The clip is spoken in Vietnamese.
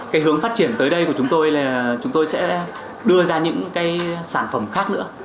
cái hướng phát triển tới đây của chúng tôi là chúng tôi sẽ đưa ra những cái sản phẩm khác nữa